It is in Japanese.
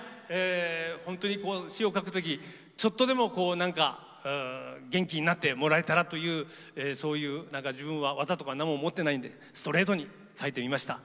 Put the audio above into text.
本当に詞を書く時ちょっとでも何か元気になってもらえたらというそういう自分は技とか何も持ってないんでストレートに書いてみました。